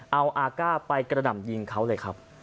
เอาอาก้าไปกระหน่ำยิงเขาเลยครับ